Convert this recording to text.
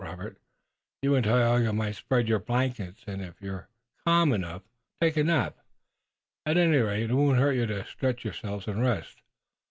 Robert, you and Tayoga might spread your blankets, and if you're calm enough, take a nap. At any rate, it won't hurt you to stretch yourselves and rest.